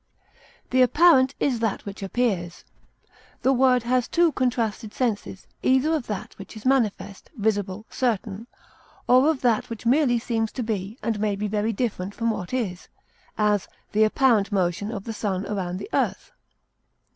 The apparent is that which appears; the word has two contrasted senses, either of that which is manifest, visible, certain, or of that which merely seems to be and may be very different from what is; as, the apparent motion of the sun around the earth.